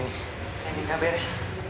ini gak beres